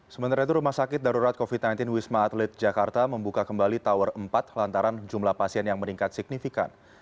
sementara itu rumah sakit darurat covid sembilan belas wisma atlet jakarta membuka kembali tower empat lantaran jumlah pasien yang meningkat signifikan